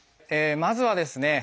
まずはですね